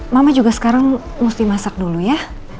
mama juga sekarang mesti masak dulu ya